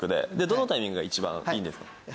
どのタイミングが一番いいんですか？